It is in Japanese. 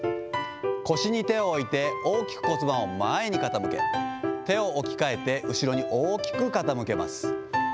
腰に手を置いて大きく骨盤を前に傾け、手を置き換えて後ろに大きく傾けます。